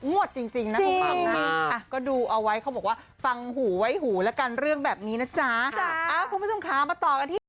จริงนะคุณผู้ชมนะก็ดูเอาไว้เขาบอกว่าฟังหูไว้หูแล้วกันเรื่องแบบนี้นะจ๊ะคุณผู้ชมคะมาต่อกันที่